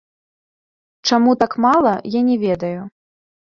Чаму так мала, я не ведаю.